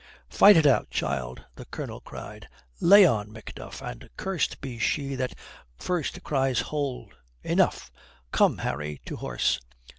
"Fight it out, child," the Colonel cried. "'Lay on, Macduff, and curst be she that first cries hold, enough!' Come, Harry, to horse."